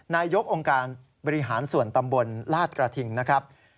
นายกองค์การบริหารส่วนตำบลลาดกระทิงนะครับ